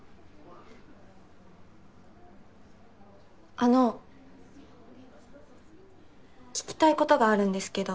あの聞きたいことがあるんですけど。